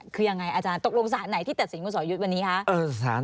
คือยังไงอาจารย์ตกลงศาลไหนที่ตัดสินคุณสอยุทธ์วันนี้คะ